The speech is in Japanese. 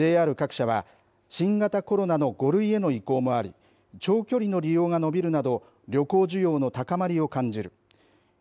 ＪＲ各社は新型コロナの５類への移行もあり長距離の利用が伸びるなど旅行需要の高まりを感じる。